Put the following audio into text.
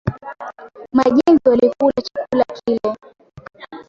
Majenzi walikula chakula kile